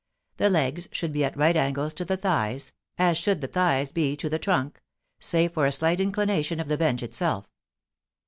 The legs should be at right angles to the thighs, as should the thighs be to the trunk, save for a slight inclination of the bench itself.